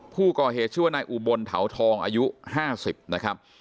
ผู้ก่อเหตุชื่อว่านายอุบลเถาทองอายุ๕๐นะครับ